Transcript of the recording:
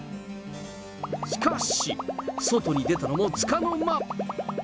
しかし、外に出たのもつかの間。